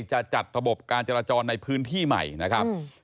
จะจัดระบบการจราจรในพื้นที่ใหม่นะครับ